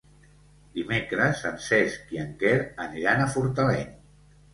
Dimecres en Cesc i en Quer aniran a Fortaleny.